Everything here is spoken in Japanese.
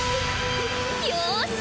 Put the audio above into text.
よし！